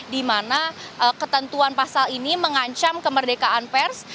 di mana ketentuan pasal ini mengancam kemerdekaan pers